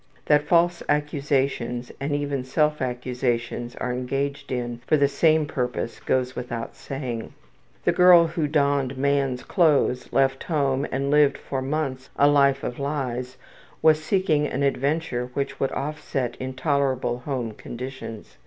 That false accusations and even self accusations are engaged in for the same purpose goes without saying. The girl who donned man's clothes, left home and lived for months a life of lies was seeking an adventure which would offset intolerable home conditions.